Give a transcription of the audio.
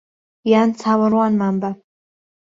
یان چاوەڕوانمان بە